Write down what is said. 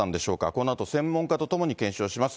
このあと専門家と共に検証します。